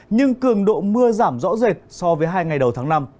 nhưng cường độ mưa giảm rõ rệt so với hai ngày đầu tháng năm